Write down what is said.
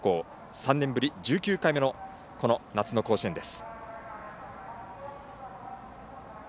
３年ぶり１９回目のこの夏の甲子園です。